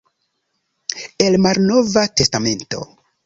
El Malnova Testamento.